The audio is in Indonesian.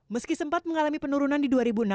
meski sempat mengalami penurunan di dua ribu enam belas